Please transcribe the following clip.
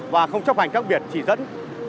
và không chấp hành các biển chỉ dẫn